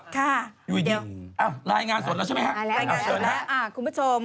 ค่ะเดี๋ยวอ้าวรายงานสดแล้วใช่ไหมครับช่วยนะครับอ่าคุณผู้ชม